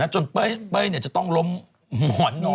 จนเป้ยเนี่ยจะต้องล้มหมอนนอนเสือ